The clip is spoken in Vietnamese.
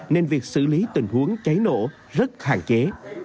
nên việc xử lý tình huống cháy nổ rất hạn chế